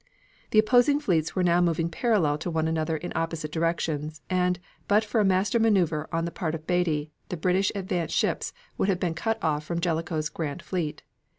The opposing fleets were now moving parallel to one another in opposite directions, and but for a master maneuver on the part of Beatty the British advance ships would have been cut off from Jellicoe's Grand Fleet.